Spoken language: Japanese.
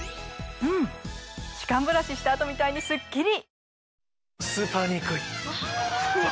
うん歯間ブラシした後みたいにすっきり！